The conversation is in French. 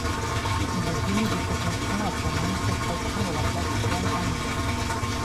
Il est démis de ses fonctions après manifestations de la place Tian'anmen.